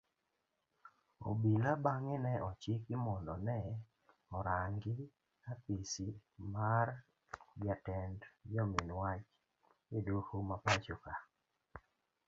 Obila bange ne ochiki mondo ne orangi apisi mar jatend jomin wach edoho mapachoka